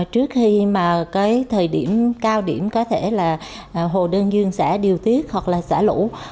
trước khi mà cái thời điểm cao điểm có thể là hồ đơn dương sẽ điều tiết hoặc là xả lũ